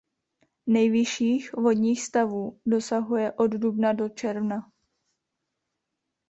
Nejvyšších vodních stavů dosahuje od dubna do června.